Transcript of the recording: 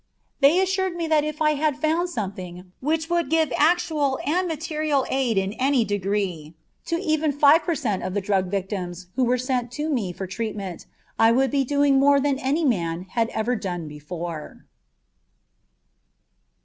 They assured me that if I had found something which would give actual and material aid in any degree to even five per cent. of the drug victims who were sent to me for treatment, I would be doing more than any man had ever done before.